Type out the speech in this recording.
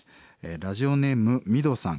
ラジオネームミドさん。